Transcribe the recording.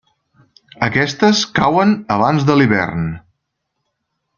Aquestes cauen abans de l'hivern.